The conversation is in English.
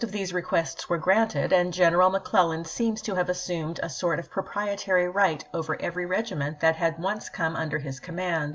these requests were gi anted, and General McClellan seems to have assumed a sort of proprietary right over every regiment that had once come under his command.